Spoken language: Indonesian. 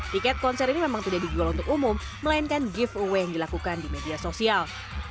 tiket konser ini memang tidak dijual untuk umum melainkan give away yang dilakukan di media sosial